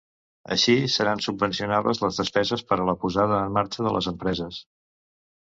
Així, seran subvencionables les despeses per a la posada en marxa de les empreses.